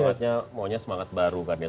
semangatnya maunya semangat baru kan ya